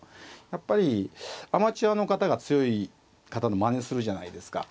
やっぱりアマチュアの方が強い方のまねするじゃないですか。